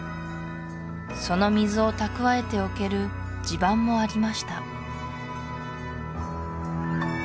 その水を蓄えておける地盤もありました